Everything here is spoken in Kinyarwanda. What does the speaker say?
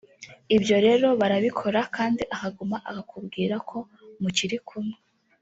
Ibyo rero barabikora kandi akaguma akakubwira ko mukiri kumwe